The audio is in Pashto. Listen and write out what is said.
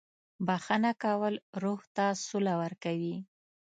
• بښنه کول روح ته سوله ورکوي.